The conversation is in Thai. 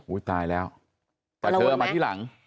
ตายแล้วแต่เธอมาที่หลัง